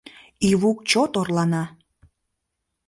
Ивук чот орлана.